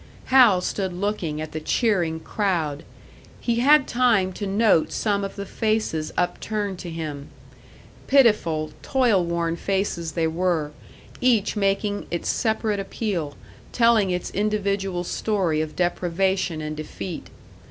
Hal stood looking at the cheering crowd. He had time to note some of the faces upturned to him. Pitiful, toil worn faces they were, each making its separate appeal, telling its individual story of deprivation and defeat.